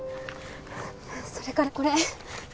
それからこれ